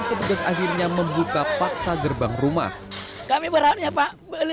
lalu dikirimkan air kotoran dan cabai